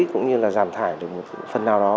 cũng như là giảm thải được một phần nào đó